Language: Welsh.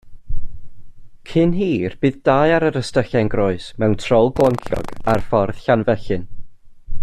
Cyn hir bydd dau ar yr ystyllen groes, mewn trol glonciog, ar ffordd Llanfyllin.